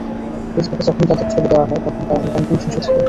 ফেসবুকে যখন তাদের ছবি দেওয়া হয়, তখন তারা নিতান্তই শিশু ছিল।